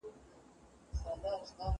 کتاب وليکه،